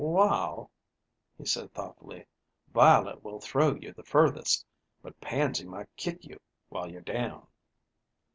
"Waal," he said thoughtfully, "Violet will throw you the furthest, but Pansy might kick you while you're down."